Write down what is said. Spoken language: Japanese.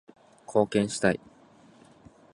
貢献したい